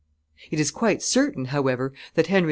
It is quite certain, however, that Henry IV.